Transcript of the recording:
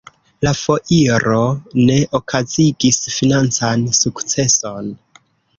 La foiro ne okazigis financan sukceson.